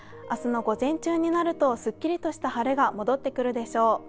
明日の午前中になるとすっきりとした晴れが戻ってくるでしょう。